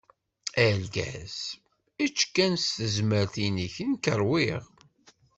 Argaz: Ečč kan s tezmert-inek, nekk ṛwiγ.